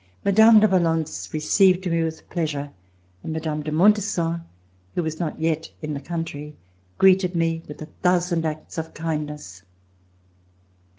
Mme. de Valence received me with pleasure, and Mme. de Montesson, who was not yet in the country, greeted me with a thousand acts of kindness.